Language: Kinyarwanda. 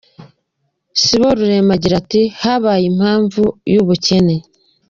Siborurema agira ati “Habayeho impamvu y’ubukene.